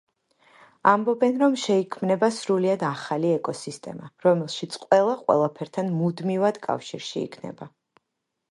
ამბობენ, რომ შეიქმნება სრულიად ახალი ეკოსისტემა, რომელშიც ყველა ყველაფერთან მუდმივად კავშირში იქნება.